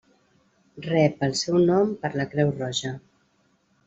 Rep el seu nom per la Creu Roja.